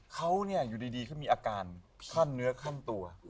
เขาอยู่ดีเขามีอาการขั้นเนื้อขั้นตัว